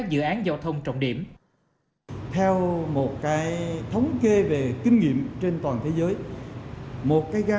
dự án giao thông trọng điểm theo một cái thống kê về kinh nghiệm trên toàn thế giới một cái ga